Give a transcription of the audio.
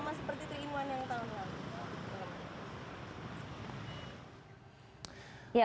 sama seperti telinguan yang tahun lalu